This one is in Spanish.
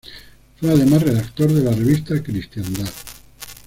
Fue además redactor de la revista Cristiandad.